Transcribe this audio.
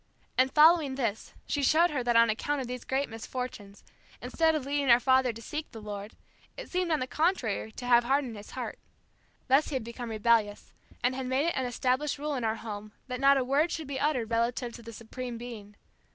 And following this, she showed her that on account of these great misfortunes, instead of leading our father to seek the Lord, it seemed on the contrary to have hardened his heart. Thus he had become rebellious, and had made it an established rule in our home that not a word should be uttered relative to the Supreme Being.